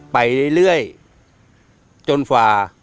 ไปเรื่อยจนฝ่า